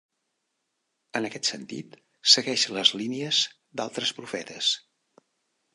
En aquest sentit segueix les línies d'altres profetes: